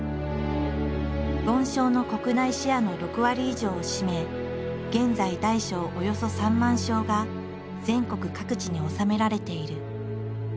梵鐘の国内シェアの６割以上を占め現在大小およそ３万鐘が全国各地に納められている。